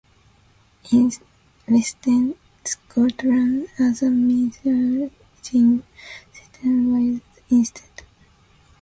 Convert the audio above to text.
In Eastern Scotland, other measuring systems were used instead.